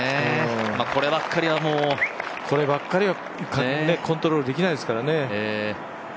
こればっかりはコントロールできないですからね。